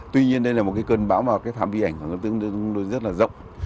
tuy nhiên đây là một cơn bão mà phạm vi ảnh rất là rộng